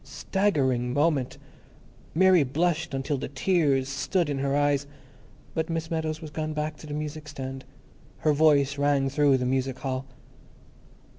Staggering moment! Mary blushed until the tears stood in her eyes, but Miss Meadows was gone back to the music stand; her voice rang through the music hall.